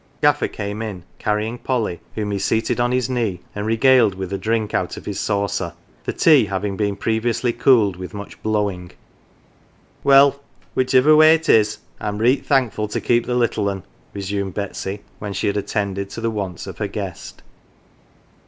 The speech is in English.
Gaffer came in, carrying Polly, whom he seated on his knee, and regaled with a drink out of his saucer, the tea having been previously cooled with much blow ing. " Well, whichever way it is, I'm reet thankful to keep the little un," resumed Betsy, when she had attended to the wants of her guest.